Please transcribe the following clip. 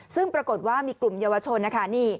ซึ่งปรากฏว่ามีกลุ่มเยาวชนนะคะ